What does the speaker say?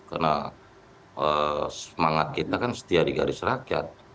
karena semangat kita kan setia di garis rakyat